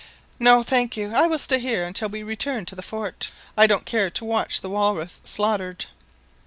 "No, thank you. I will stay here until we return to the fort. I don't care to watch the walrus slaughtered!"